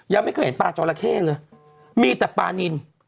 ยังไม่เคยเห็นปลาจอราเข้เลยมีแต่ปลานิน